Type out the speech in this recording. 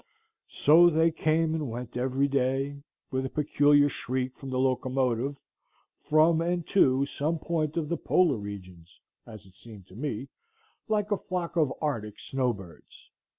So they came and went every day, with a peculiar shriek from the locomotive, from and to some point of the polar regions, as it seemed to me, like a flock of arctic snow birds.